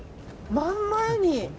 真ん前に。